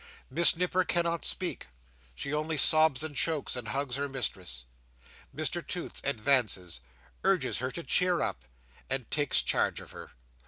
Miss Nipper cannot speak; she only sobs and chokes, and hugs her mistress. Mr Toots advances, urges her to cheer up, and takes charge of her.